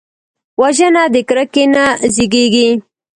وژنه د کرکې نه زیږېږي